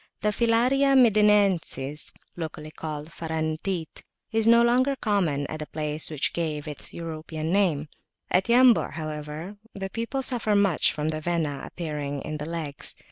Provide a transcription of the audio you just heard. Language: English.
The Filaria Medinensis, locally called "Farantit," is no longer common at the place which gave it its European name. At Yambu', however, the people suffer much from the Vena appearing in the legs.